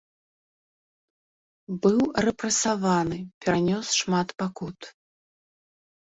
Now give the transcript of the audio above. Быў рэпрэсаваны, перанёс шмат пакут.